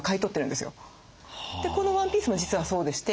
このワンピースも実はそうでして。